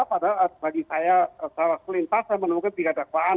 padahal bagi saya salah satu lintas saya menemukan tiga dakwaan